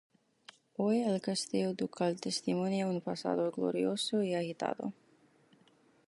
Hoy el castillo ducal testimonia un pasado glorioso y agitado.